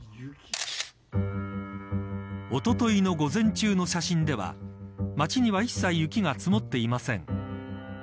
おとといの午前中の写真では町には一切、雪が積もっていません。